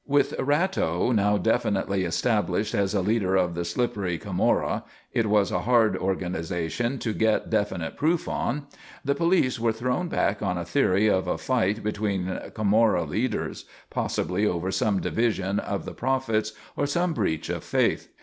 With Ratto now definitely established as a leader of the slippery Camorra it was a hard organisation to get definite proof on the police were thrown back on a theory of a fight between Camorra leaders, possibly over some division of the profits or some breach of faith.